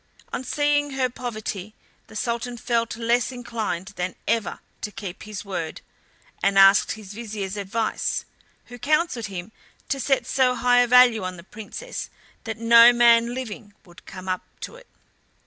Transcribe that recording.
On seeing her poverty the Sultan felt less inclined than ever to keep his word, and asked his Vizier's advice, who counselled him to set so high a value on the Princess that no man living would come up to it.